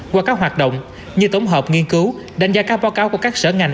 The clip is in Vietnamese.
qua các hoạt động như tổng hợp nghiên cứu đánh giá các báo cáo của các sở ngành